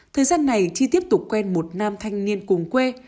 thời gian này chi tiếp tục quen một nam thanh niên cùng quê